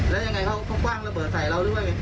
แล้วยังไงเขากว้างระเบิดใส่เราหรือเปล่าไง